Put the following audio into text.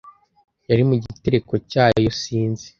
Yari mu gitereko cyayo Sinzi